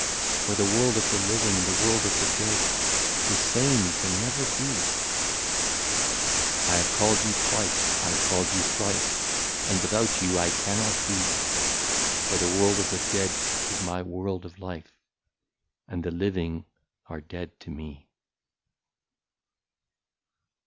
For the world of the living, the world of the dead, The same can never be !"" I have called you twice, I have called you thrice. And without you I cannot be ; For the world of the dead is my world of life, And the living are dead to me."